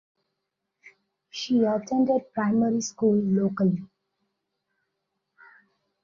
She attended primary school locally.